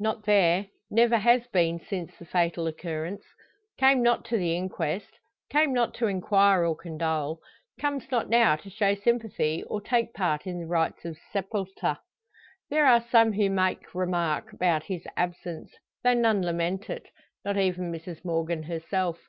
Not there never has been since the fatal occurrence. Came not to the inquest, came not to inquire or condole; comes not now to show sympathy, or take part in the rites of sepulture. There are some who make remark about his absence, though none lament it not even Mrs Morgan herself.